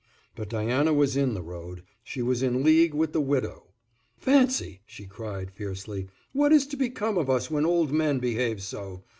But Diana was in the road, she was in league with the widow. "Fancy!" she cried, fiercely, "what is to become of us when old men behave so.